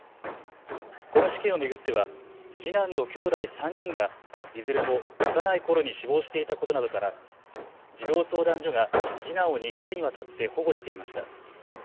これ事件を巡っては次男のきょうだい３人がいずれも幼いころに死亡していたことなどから児童相談所が次男を２回にわたって保護していました。